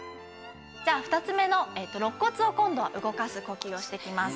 じゃあ２つ目のろっ骨を今度は動かす呼吸をしていきます。